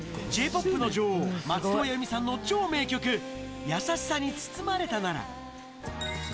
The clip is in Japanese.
ＪーＰＯＰの女王、松任谷由実さんの超名曲、やさしさに包まれたなら。